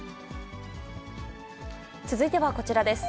続いてはこちらです。